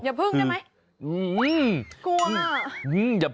อย่าพึ่งได้ไหม